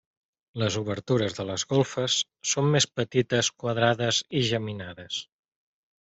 Les obertures de les golfes són més petites, quadrades i geminades.